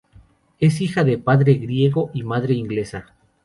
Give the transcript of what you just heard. Es hija de padre griego y madre inglesa.